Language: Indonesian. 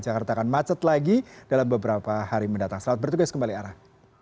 jakarta akan macet lagi dalam beberapa hari mendatang selamat bertugas kembali arah